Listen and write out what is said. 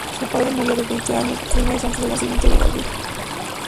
Su padre murió a los veinte años, tres meses antes del nacimiento de Gabriel.